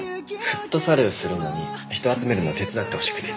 フットサルするのに人集めるの手伝ってほしくて。